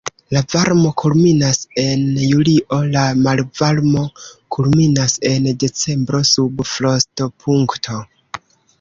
La varmo kulminas en julio, la malvarmo kulminas en decembro sub frostopunkto.